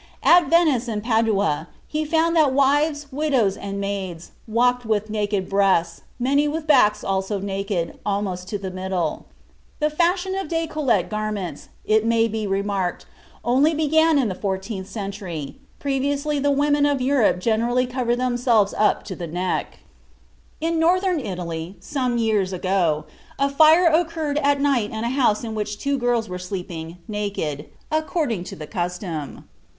At Venice and Padua, he found that wives, widows, and maids, walk with naked breasts, many with backs also naked, almost to the middle. (Coryat, Crudities, 1611. The fashion of décolleté garments, it may be remarked, only began in the fourteenth century; previously, the women of Europe generally covered themselves up to the neck.) In Northern Italy, some years ago, a fire occurred at night in a house in which two girls were sleeping, naked, according to the custom.